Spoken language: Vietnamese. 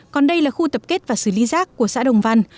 còn đây là khu tập kết và xử lý rác của xã đồng văn